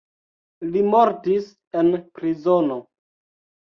Li mortis en prizono.